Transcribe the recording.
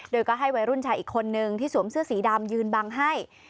โดยก็ให้วัยรุ่นชายอีกคนนึงที่สวมเสื้อสีดำยืนบังให้